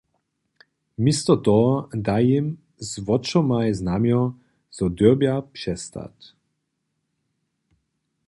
Město toho da jim z wočomaj znamjo, zo dyrbja přestać.